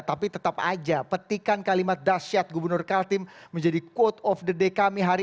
tapi tetap aja petikan kalimat dasyat gubernur kaltim menjadi quote of the day kami hari ini